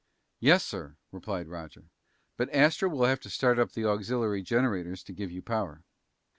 "Yes, sir," replied Roger. "But Astro will have to start up the auxiliary generators to give you power."